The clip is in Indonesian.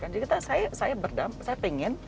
jadi saya berdamping saya pengen